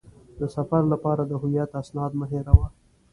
د سفر لپاره د هویت اسناد مه هېروه.